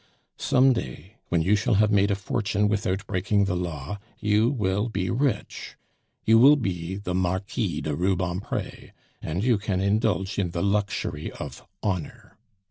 Some day, when you shall have made a fortune without breaking the law, you will be rich; you will be the Marquis de Rubempre, and you can indulge in the luxury of honor.